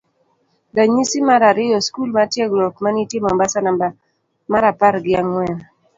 Ranyisi mar ariyo skul mar tiegruok ma nitie mombasa namba marapar gi ang'wen